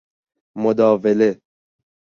مداوله